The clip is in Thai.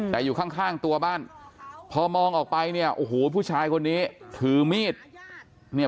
แต่อยู่ข้างข้างตัวบ้านพอมองออกไปเนี่ยโอ้โหผู้ชายคนนี้ถือมีดเนี่ย